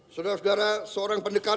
sudah segera seorang pendekar